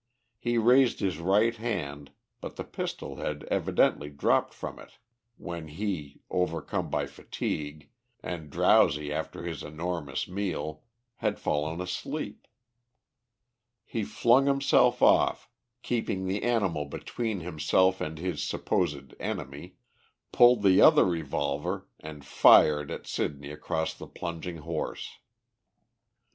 He raised his right hand, but the pistol had evidently dropped from it when he, overcome by fatigue, and drowsy after his enormous meal, had fallen asleep. He flung himself off, keeping the animal between himself and his supposed enemy, pulled the other revolver and fired at Sidney across the plunging horse.